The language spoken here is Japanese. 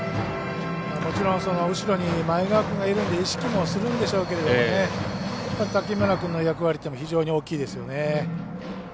もちろん後ろに前川君がいるんで意識もするんでしょうけど竹村君の役割っていうのは非常に大きいですよね。